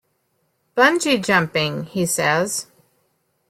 "Bungee jumping," he says.